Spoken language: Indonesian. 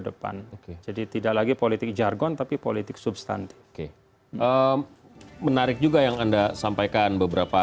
depan jadi tidak lagi politik jargon tapi politik substantif oke menarik juga yang anda sampaikan beberapa